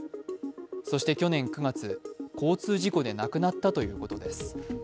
そして去年９月、交通事故で亡くなったということです。